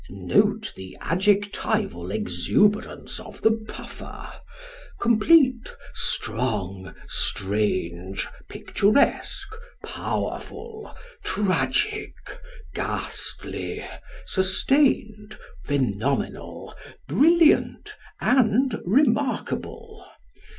Note the adjectival exuberance of the puffer complete, strong, strange, picturesque, powerful, tragic, ghastly, sustained, phenomenal, brilliant and remarkable.